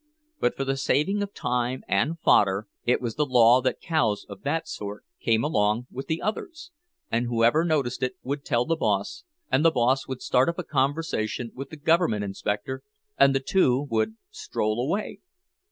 But for the saving of time and fodder, it was the law that cows of that sort came along with the others, and whoever noticed it would tell the boss, and the boss would start up a conversation with the government inspector, and the two would stroll away.